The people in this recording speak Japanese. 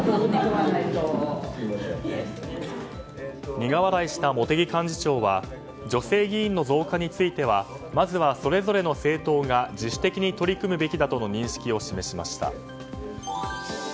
苦笑いした茂木幹事長は女性議員の増加についてはまずはそれぞれの政党が自主的に取り組むべきだとの認識を示しました。